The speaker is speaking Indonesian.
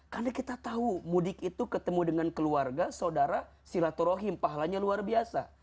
karena kita tahu mudik itu ketemu dengan keluarga saudara silaturahim pahalanya luar biasa